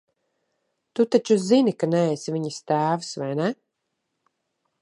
Tu taču zini, ka neesi viņas tēvs, vai ne?